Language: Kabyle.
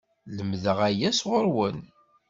Lemdeɣ aya sɣur-wen!